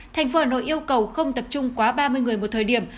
thành phố hà nội yêu cầu không tập trung quá ba mươi người một thời điểm